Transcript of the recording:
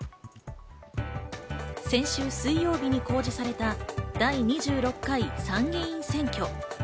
先週水曜日に公示された第２６回参議院選挙。